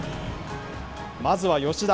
まずは吉田。